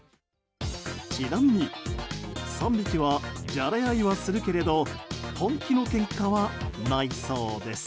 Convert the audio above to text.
ちなみに、３匹はじゃれ合いはするけれど本気のけんかは、ないそうです。